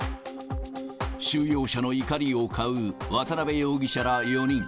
収容者の怒りを買う渡辺容疑者ら４人。